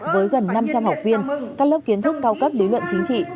với gần năm trăm linh học viên các lớp kiến thức cao cấp lý luận chính trị